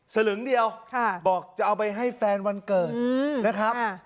สลึงเดียวบอกจะเอาไปให้แฟนวันเกิดนะครับ